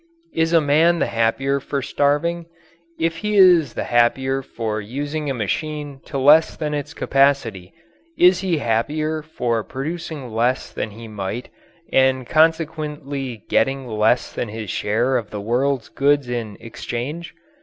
Is a man the happier for starving? If he is the happier for using a machine to less than its capacity, is he happier for producing less than he might and consequently getting less than his share of the world's goods in exchange?